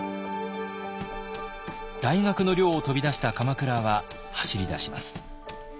大学の寮を飛び出した鎌倉は走りだします。